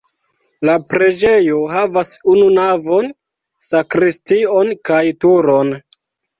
La preĝejo havas unu navon, sakristion kaj turon.